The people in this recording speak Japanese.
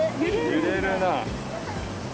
揺れるな。